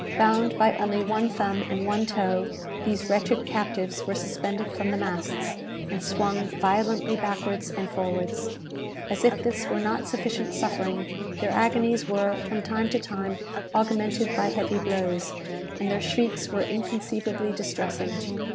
Bound by only one thumb and one toe, these wretched captives were suspended from the masts, and swung violently backwards and forwards. As if this were not sufficient suffering, their agonies were, from time to time, augmented by heavy blows, and their shrieks were inconceivably distressing.